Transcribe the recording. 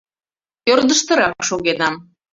Ӧрдыжтырак шогенам.